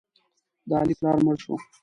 د علي پلار مړ شو.